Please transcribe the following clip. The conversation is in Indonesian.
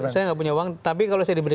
saya nggak punya uang tapi kalau saya diberi